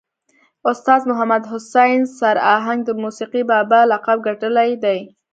استاذ محمد حسین سر آهنګ د موسیقي بابا لقب ګټلی دی.